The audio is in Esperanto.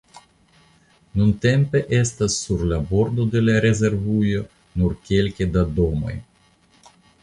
Nuntempe estas sur la bordo de la rezervujo nur kelke da domoj.